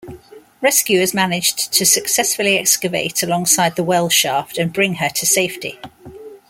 Rescuers managed to successfully excavate alongside the well shaft and bring her to safety.